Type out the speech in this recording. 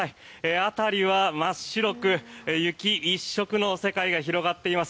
辺りは真っ白く雪一色の世界が広がっています。